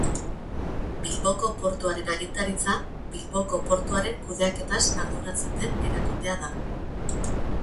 Bilboko Portuaren Agintaritza Bilboko portuaren kudeaketaz arduratzen den erakundea da.